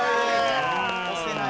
押せない。